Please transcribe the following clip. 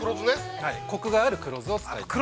コクがある黒酢を使います。